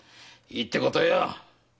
いいってことよ。